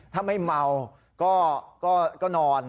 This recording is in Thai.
ถ้าไม่เมาก็นอน